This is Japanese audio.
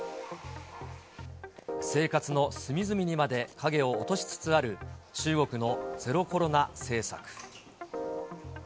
生活の隅々にまで影を落としつつある、中国のゼロコロナ政策。